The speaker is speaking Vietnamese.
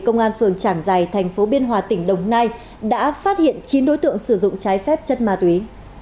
công an phường trảng giài thành phố biên hòa tỉnh đồng nai đã phát hiện chín đối tượng sử dụng trái phép chất ma túy